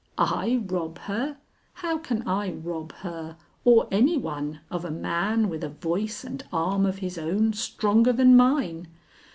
I rob her! How can I rob her or any one of a man with a voice and arm of his own stronger than mine?